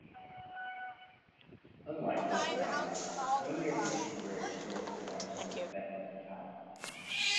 Unlike later writers, no near contemporary source remarks on Macbeth as a tyrant.